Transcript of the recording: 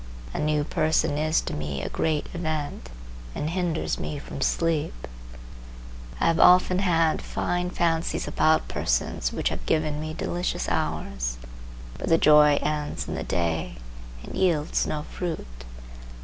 A new person is to me a great event and hinders me from sleep. I have often had fine fancies about persons which have given me delicious hours; but the joy ends in the day; it yields no fruit.